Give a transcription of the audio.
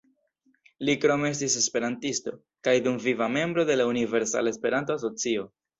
Li krome estis esperantisto, kaj dumviva membro de la Universala Esperanto-Asocio.